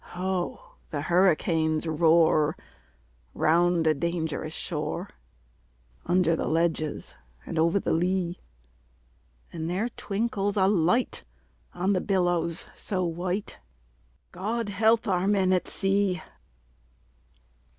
Ho! the hurricanes roar round a dangerous shore, Under the ledges and over the lea; And there twinkles a light on the billows so white God help our men at sea!